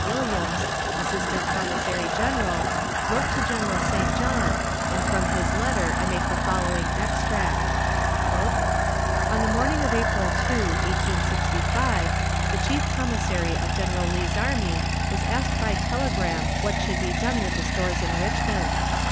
Williams, assistant commissary general, wrote to General St. John, and from his letter I make the following extract: "On the morning of April 2, 1865, the chief commissary of General Lee's army was asked by telegram what should be done with the stores in Richmond.